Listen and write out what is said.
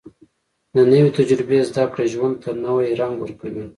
د نوې تجربې زده کړه ژوند ته نوې رنګ ورکوي